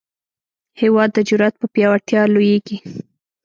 هېواد د جرئت په پیاوړتیا لویېږي.